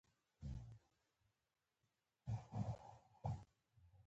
هلک له صداقت سره ژوند کوي.